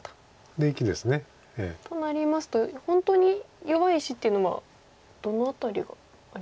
で生きです。となりますと本当に弱い石っていうのはどの辺りがありますか？